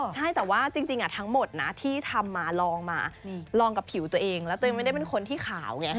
ใช่แต่ว่าจริงทั้งหมดนะที่ทำมาลองมาลองกับผิวตัวเองแล้วตัวเองไม่ได้เป็นคนที่ขาวไง